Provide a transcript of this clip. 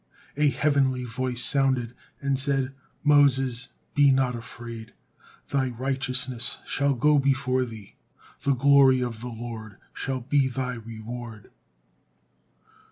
A heavenly voice sounded and said: "Moses, be not afraid. 'Thy righteousness shall go before thee; the glory of the Lord shall be thy reward.'"